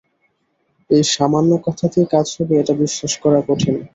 এই সামান্য কথাতেই কাজ হবে এটা বিশ্বাস করা কঠিন।